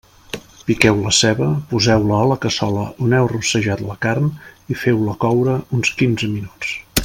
Piqueu la ceba, poseu-la a la cassola on heu rossejat la carn i feu-la coure uns quinze minuts.